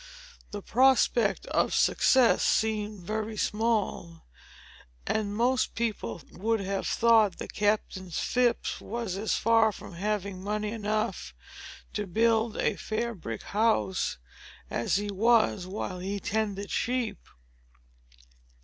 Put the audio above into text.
The prospect of success seemed very small; and most people would have thought that Captain Phips was as far from having money enough to build a "fair brick house," as he was while he tended sheep.